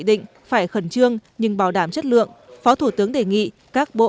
định phải khẩn trương nhưng bảo đảm chất lượng phó thủ tướng đề nghị các bộ